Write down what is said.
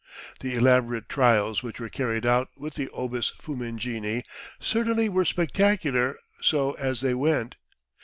The elaborate trials which were carried out with the obus fumigene certainly were spectacular so as they went.